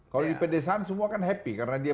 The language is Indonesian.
kalau di pedesaan semua kan happy karena dia